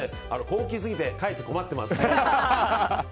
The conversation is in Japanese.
高級すぎて、かえって困ってます。